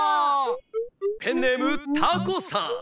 「ペンネームタコさん。